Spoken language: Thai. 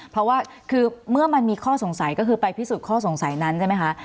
เพราะว่าคือเมื่อมันมีข้อสงสัยก็คือไปพิสูจน์ข้อสงสัยนั้นใช่ไหมคะ